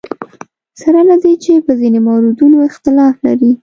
سره له دې چې په ځینو موردونو اختلاف لري.